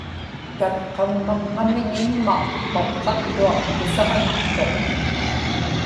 tatqaŋmaŋŋamiñ imma mapqaqtuaq tusaġnaqtuq